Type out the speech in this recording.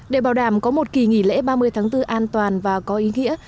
để bảo đảm có một kỳ nghỉ lễ ba mươi tháng bốn an toàn và có ý nghĩa